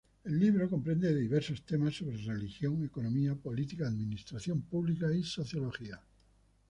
El libro comprende diversos temas sobre religión, economía, política, administración pública y sociología.